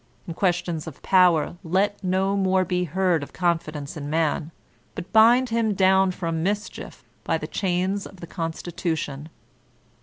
^In questions of power, let no more be heard of confidence in man, but bind him down from mischief by the chains of the Constitution."